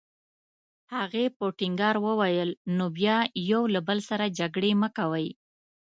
هغې په ټینګار وویل: نو بیا یو له بل سره جګړې مه کوئ.